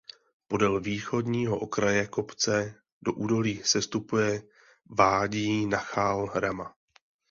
Podél východního okraje kopce do údolí sestupuje vádí Nachal Rama.